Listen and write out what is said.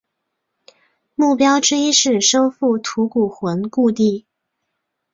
目标之一是收复吐谷浑故地。